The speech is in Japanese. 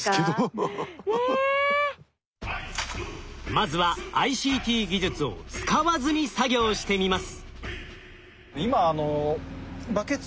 まずはＩＣＴ技術を使わずに作業してみます。